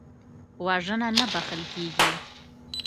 وژنه نه بخښل کېږي